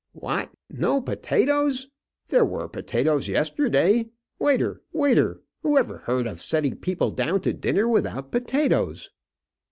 "What, no potatoes! there were potatoes yesterday. Waiter, waiter; who ever heard of setting people down to dinner without potatoes?"